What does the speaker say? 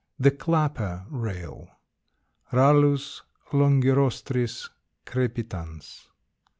_" THE CLAPPER RAIL. (_Rallus longirostris crepitans.